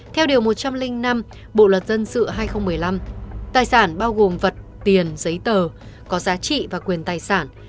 theo điều một trăm linh năm bộ luật dân sự hai nghìn một mươi năm tài sản bao gồm vật tiền giấy tờ có giá trị và quyền tài sản